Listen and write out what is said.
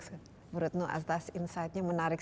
menurutmu atas insightnya menarik